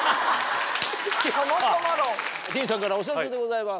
ＤＥＡＮさんからお知らせでございます。